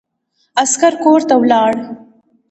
عسکر کورته ولاړ.